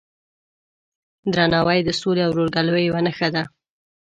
درناوی د سولې او ورورګلوۍ یوه نښه ده.